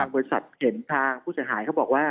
บริษัทเห็นทางผู้เสียหายเขาบอกว่า